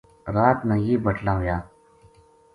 رات نا یہ بٹلا ھویا